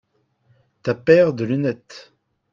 ta paire de lunettes.